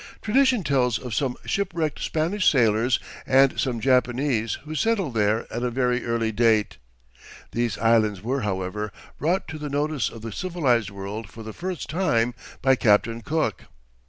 Tradition tells of some shipwrecked Spanish sailors and some Japanese who settled there at a very early date. These Islands were, however, brought to the notice of the civilized world for the first time by Captain Cook.